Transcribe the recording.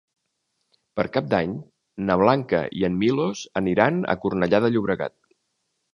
Per Cap d'Any na Blanca i en Milos aniran a Cornellà de Llobregat.